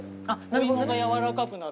お芋がやわらかくなる。